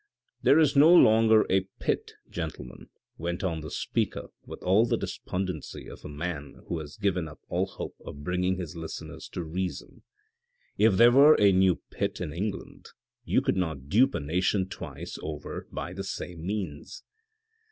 " There is no longer a Pitt, gentlemen," went on the speaker with all the despondency of a man who has given up all hope of bringing his listeners to reason. " If there were a new Pitt in England, you would not dupe a nation twice over by the same means."